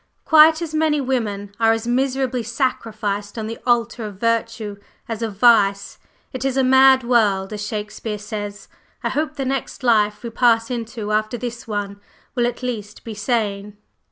Quite as many women are as miserably sacrificed on the altar of virtue as of vice. It is 'a mad world,' as Shakespeare says. I hope the next life we pass into after this one will at least be sane."